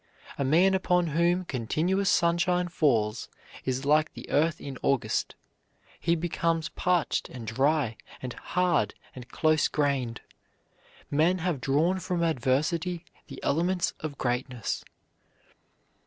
A man upon whom continuous sunshine falls is like the earth in August: he becomes parched and dry and hard and close grained. Men have drawn from adversity the elements of greatness.